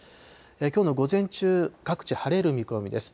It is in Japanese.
きょうの午前中、各地、晴れる見込みです。